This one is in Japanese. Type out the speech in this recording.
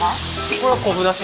これは昆布だし。